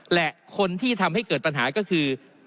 และคนที่ทำให้เกิดปัญหาก็คือ